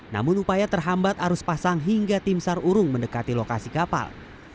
namun upaya terhambat arus pasang hingga tim sar urung mendekati lokasi kapal